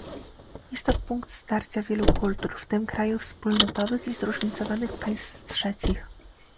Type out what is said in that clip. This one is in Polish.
Jest to punkt starcia wielu kultur, w tym krajów wspólnotowych i zróżnicowanych państw trzecich